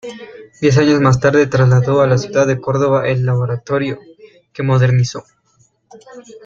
Diez años más tarde trasladó a la ciudad de Córdoba el laboratorio, que modernizó.